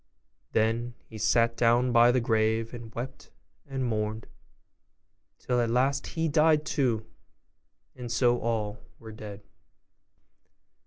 Then he sat down by the grave, and wept and mourned, till at last he died too; and so all were dead.